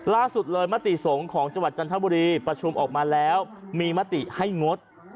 ล่าสุดเลยมติสงฆ์ของจังหวัดจันทบุรีประชุมออกมาแล้วมีมติให้งด